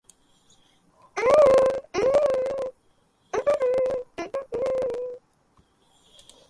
The meeting erupts in chaos, and the gang members open fire on the duo.